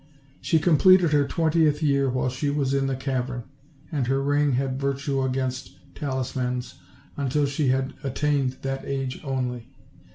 "She completed her twentieth year while she was in the cavern, and her ring had virtue against talismans until she had attained that age Only.